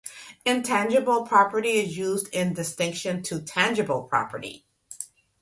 Intangible property is used in distinction to tangible property.